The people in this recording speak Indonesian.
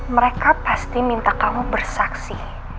mereka pasti minta kamu bersaksi